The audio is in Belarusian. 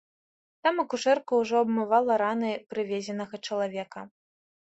Там акушэрка ўжо абмывала раны прывезенага чалавека.